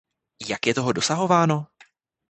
Jak je toho dosahováno?